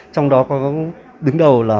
trong đó có đứng đầu là